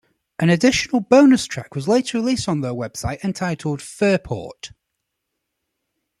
An additional bonus track was later released on their website entitled "Fairport".